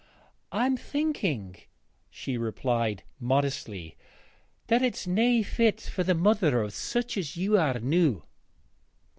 'I'm thinking,' she replied modestly, 'that it's nae fit for the mither of sich as ye are noo.'